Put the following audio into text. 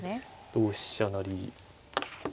同飛車成。